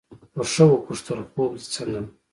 خوښه وپوښتل خوب دې څنګه دی.